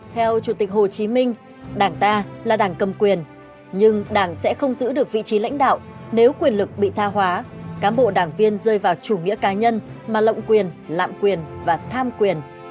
theo chủ tịch hồ chí minh đảng ta là đảng cầm quyền nhưng đảng sẽ không giữ được vị trí lãnh đạo nếu quyền lực bị tha hóa cán bộ đảng viên rơi vào chủ nghĩa cá nhân mà lộng quyền lạm quyền và tham quyền